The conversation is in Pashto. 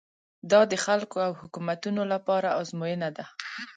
دا د خلکو او حکومتونو لپاره ازموینه ده.